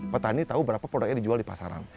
petani tahu berapa produknya dijual di pasaran